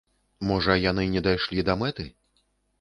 Можа яны не дайшлі да мэты?